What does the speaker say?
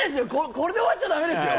これで終わっちゃダメですよ